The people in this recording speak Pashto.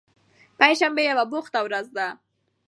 پنجشنبه یوه بوخته ورځ وه.